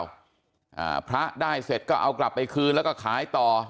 อ่าพระได้เสร็จก็เอากลับไปคืนแล้วก็ขายต่อ